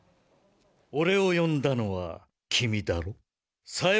俺を呼んだのは君だろ？